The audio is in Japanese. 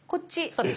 そうです。